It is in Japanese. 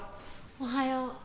おはよう。